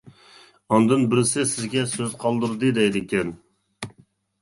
ئاندىن بىرسى سىزگە سۆز قالدۇردى دەيدىكەن.